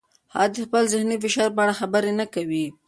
هغه د خپل ذهني فشار په اړه خبرې نه کوي.